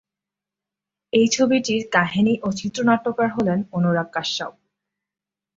এই ছবিটির কাহিনি ও চিত্রনাট্যকার হলেন অনুরাগ কাশ্যপ।